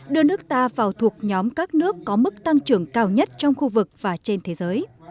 đưa nước ta vào thuộc nhóm các nước có mức tăng trưởng cao nhất trong khu vực và trên thế giới